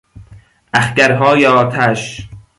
اخگرهای آتش